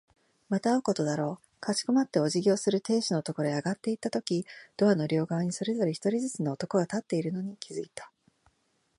また会うことだろう。かしこまってお辞儀をする亭主のところへ上がっていったとき、ドアの両側にそれぞれ一人ずつの男が立っているのに気づいた。